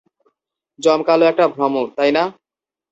জমকালো একটা ভ্রম, তাই না?